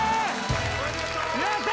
やった！